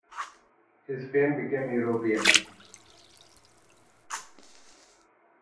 His fame became European.